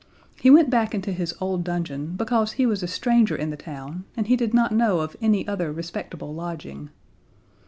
He went back into his old dungeon because he was a stranger in the town, and he did not know of any other respectable lodging.